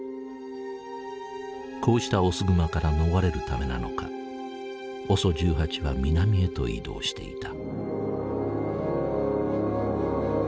こうしたオスグマから逃れるためなのかＯＳＯ１８は南へと移動していた。